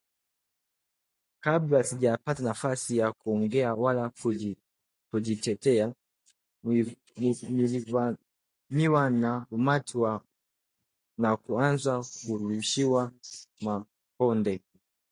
Kabla sijapata nafasi ya kuongea wala kujitetea, nilivamiwa na umati na kuanza kurushiwa makonde